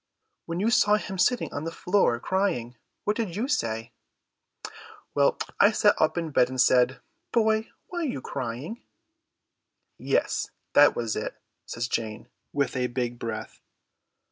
"When you saw him sitting on the floor crying, what did you say?" "I sat up in bed and I said, 'Boy, why are you crying?'" "Yes, that was it," says Jane, with a big breath.